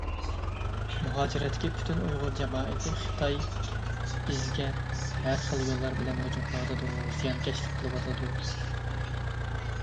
مۇھاجىرەتتىكى پۈتۈن ئۇيغۇر جامائىتى: خىتاي بىزگە ھەر خىل يوللار بىلەن ھۇجۇم قىلىۋاتىدۇ، زىيانكەشلىك قىلىۋاتىدۇ.